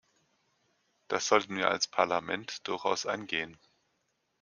Das sollten wir als Parlament durchaus angehen.